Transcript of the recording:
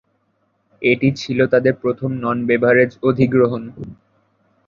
এটি ছিল তাদের প্রথম নন-বেভারেজ অধিগ্রহণ।